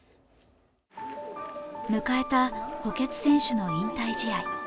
迎えた補欠選手の引退試合。